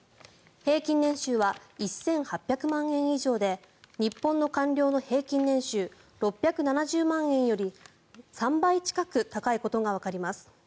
平均年収は１８００万円以上で日本の官僚の平均年収６７０万円より３倍近く高いことがわかります。